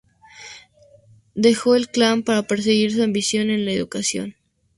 Dejó el clan para perseguir su ambición en la educación.